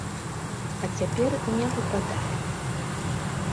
А цяпер не выпадае.